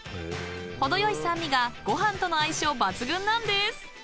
［程よい酸味がご飯との相性抜群なんです］